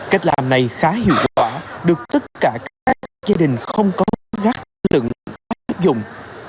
cách làm này khá hiệu quả được tất cả các gia đình không có gắt lượng áp dụng